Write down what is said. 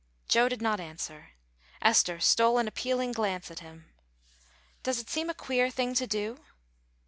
Joe did not answer. Esther stole an appealing glance at him. "Does it seem a queer thing to do?"